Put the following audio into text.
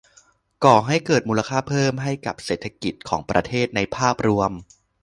ก่อให้เกิดมูลค่าเพิ่มให้กับเศรษฐกิจของประเทศในภาพรวม